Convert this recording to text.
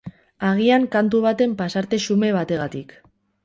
Agian kantu baten pasarte xume bategatik.